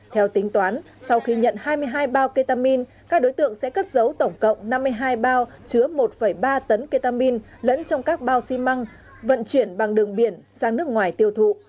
theo tính toán sau khi nhận hai mươi hai bao ketamin các đối tượng sẽ cất giấu tổng cộng năm mươi hai bao chứa một ba tấn ketamin lẫn trong các bao xi măng vận chuyển bằng đường biển sang nước ngoài tiêu thụ